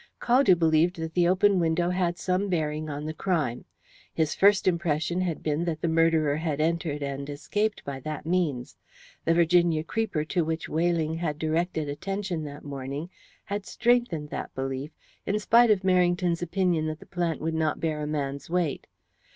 Caldew believed that the open window had some bearing on the crime. His first impression had been that the murderer had entered and escaped by that means. The Virginia creeper to which Weyling had directed attention that morning had strengthened that belief, in spite of Merrington's opinion that the plant would not bear a man's weight.